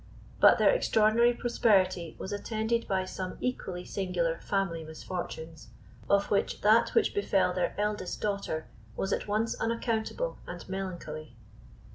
But their extraordinary prosperity was attended by some equally singular family misfortunes, of which that which befell their eldest daughter was at once unaccountable and melancholy.